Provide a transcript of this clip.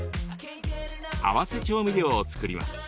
合わせ調味料を作ります。